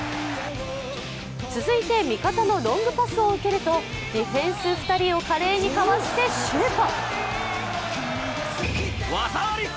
続いて味方のロングパスを受けるとディフェンス２人を華麗にかわしてシュート。